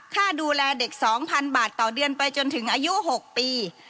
ค่าดูแลเด็ก๒๐๐๐บาทต่อเดือนไปจนถึงอายุ๖ปี